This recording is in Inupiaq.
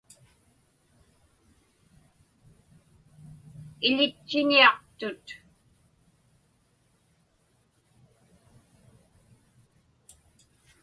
Iḷitchiniaqtut.